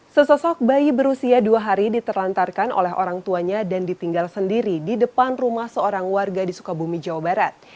sesosok bayi berusia dua hari diterlantarkan oleh orang tuanya dan ditinggal sendiri di depan rumah seorang warga di sukabumi jawa barat